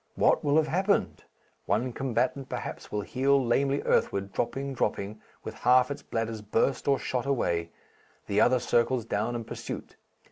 What will have happened? One combatant, perhaps, will heel lamely earthward, dropping, dropping, with half its bladders burst or shot away, the other circles down in pursuit....